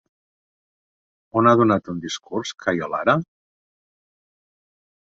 On ha donat un discurs Cayo Lara?